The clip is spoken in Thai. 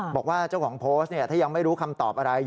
บอกว่าเจ้าของโพสต์ถ้ายังไม่รู้คำตอบอะไร